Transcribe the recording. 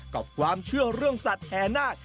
กับความเชื่อเรื่องสัตว์แห่นาค